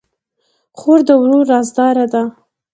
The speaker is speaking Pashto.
خور د ورور رازدار ده.